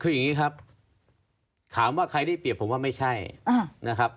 คืออย่างนี้ครับถามว่าใครได้เปรียบผมว่าไม่ใช่นะครับ